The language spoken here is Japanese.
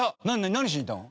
何にしに行ったの？